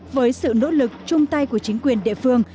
với sự nỗ lực chung tay của chính quyền địa phương